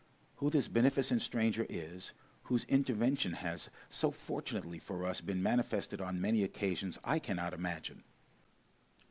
Who this beneficent stranger is, whose intervention has, so fortunately for us, been manifested on many occasions, I cannot imagine.